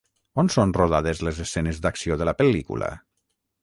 On són rodades les escenes d'acció de la pel·lícula?